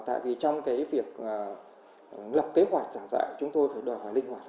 tại vì trong cái việc lọc kế hoạch giảng dạy chúng tôi phải đòi hỏi linh hoạt hơn